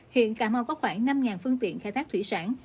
hiện cà mau có khoảng năm phương tiện khai thác thủy sản